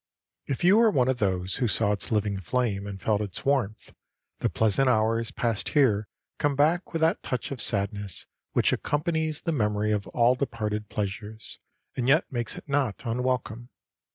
If you were one of those who saw its living flame and felt its warmth, the pleasant hours passed here come back with that touch of sadness which accompanies the memory of all departed pleasures and yet makes it not unwelcome.